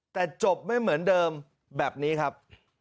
แต่จบไม่เหมือนเดิมแบบนี้ครับ